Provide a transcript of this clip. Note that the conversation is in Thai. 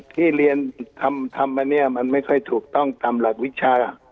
ที่เรียนทำมาเนี่ยมันไม่ค่อยถูกต้องตามหลักวิชา